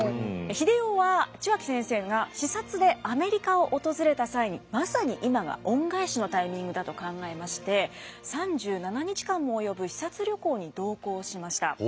英世は血脇先生が視察でアメリカを訪れた際にまさに今が恩返しのタイミングだと考えまして３７日間も及ぶ視察旅行に同行しました。